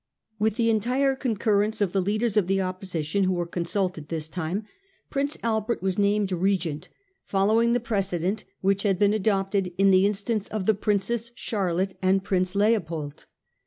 With the entire concurrence of the leaders of the Opposition, who were consulted this time, Prince Albert was named Regent, following the precedent which had been adopted in the instance of the Princess Char lotte and Prince Leopold.